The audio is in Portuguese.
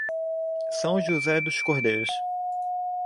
São José dos Cordeiros